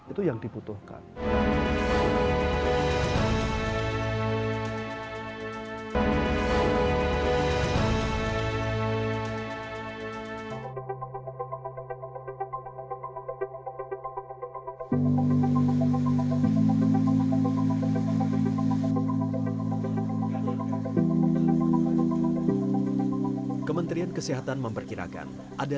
itu yang dibutuhkan